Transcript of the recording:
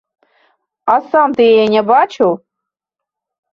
А сам ты яе не бачыў?